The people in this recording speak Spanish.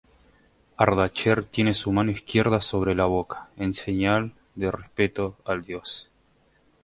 Ardacher tiene su mano izquierda sobre la boca, en señal de respeto al dios.